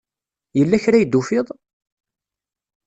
Yella kra ay d-tufiḍ?